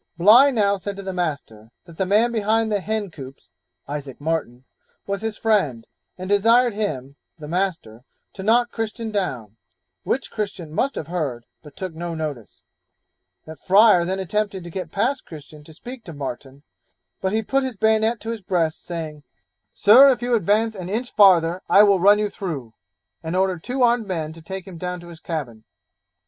Bligh now said to the master, that the man behind the hen coops (Isaac Martin) was his friend, and desired him (the master) to knock Christian down, which Christian must have heard, but took no notice; that Fryer then attempted to get past Christian to speak to Martin, but he put his bayonet to his breast, saying, 'Sir, if you advance an inch farther, I will run you through,' and ordered two armed men to take him down to his cabin.